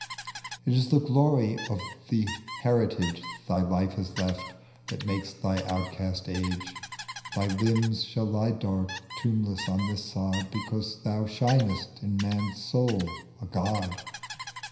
It is the glory of the heritage Thy life has left, that makes thy outcast age ; Thy limbs shall He dark, tombless on this sod, Because thou shinest in man's soul, a god.